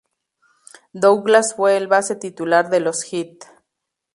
Douglas fue el base titular de los Heat.